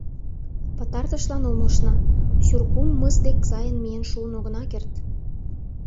Пытартышлан умылышна: Сюркум мыс дек сайын миен шуын огына керт.